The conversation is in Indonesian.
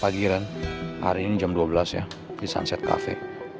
pagi kan hari ini jam dua belas ya di sunset cafe